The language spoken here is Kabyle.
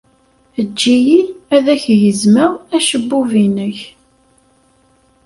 Eǧǧ-iyi ad ak-gezmeɣ acebbub-nnek!